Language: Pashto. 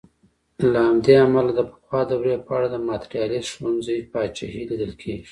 له همدې امله د پخوا دورې په اړه د ماتریالیسټ ښوونځي پاچاهي لیدل کېږي.